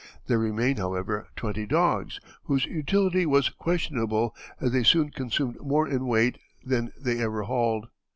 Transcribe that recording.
There remained, however, twenty dogs, whose utility was questionable, as they soon consumed more in weight than they ever hauled.